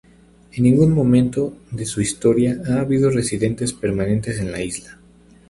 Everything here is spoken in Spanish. En ningún momento de su historia ha habido residentes permanentes en la isla.